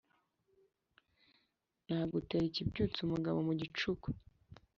Nagutera ikibyutsa umugabo mu gicuku